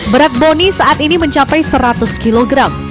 berat bonnie saat ini mencapai seratus kilogram